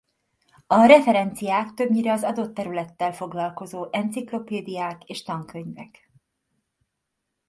A referenciák többnyire az adott területtel foglalkozó enciklopédiák és tankönyvek.